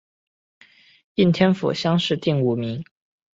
应天府乡试第五名。